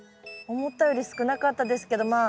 思ったより少なかったですけどまあ